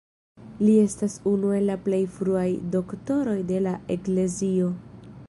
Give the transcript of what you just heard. Li estas unu el la plej fruaj Doktoroj de la Eklezio.